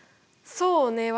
そうね